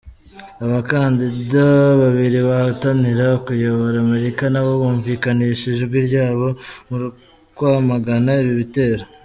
Abakandida babiri bahatanira kuyobora Amerika nabo bumvikanishije ijwi ryabo mu kwamagana ibi bitero.